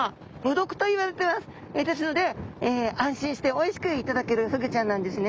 ですので安心しておいしく頂けるフグちゃんなんですね。